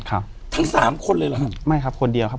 ทั้งสามคนเลยเหรอไม่ครับคนเดียวครับ